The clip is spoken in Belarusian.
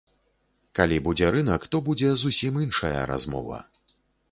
Калі будзе рынак, то будзе зусім іншая размова.